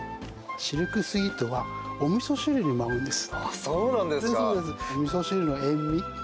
シルクスイートはおみそ汁にも合うんです。